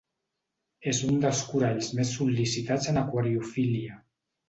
És un dels coralls més sol·licitats en aquariofília.